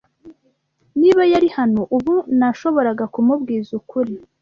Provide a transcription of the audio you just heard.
Niba yari hano ubu, nashoboraga kumubwiza ukuri.